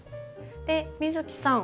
で美月さん